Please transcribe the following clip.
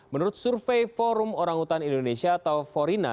menurut survei forum orangutan indonesia atau forina